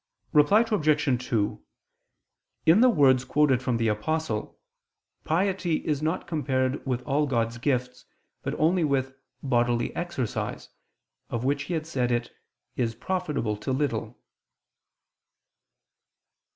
Reply Obj. 2: In the words quoted from the Apostle, piety is not compared with all God's gifts, but only with "bodily exercise," of which he had said it "is profitable to little."